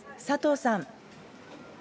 佐藤さん。